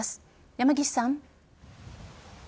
山岸さん。